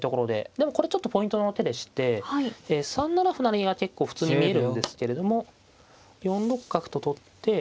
でもこれちょっとポイントの手でして３七歩成が結構普通に見えるんですけれども４六角と取って。